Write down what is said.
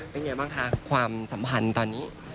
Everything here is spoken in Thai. เป็นไงบ้างคะความสัมพันธ์ตอนนี้